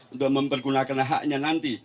untuk mempergunakan haknya nanti